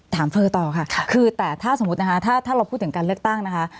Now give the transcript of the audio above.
เฟอร์ต่อค่ะคือแต่ถ้าสมมุตินะคะถ้าเราพูดถึงการเลือกตั้งนะคะ